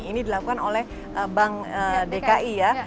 ini dilakukan oleh bank dki ya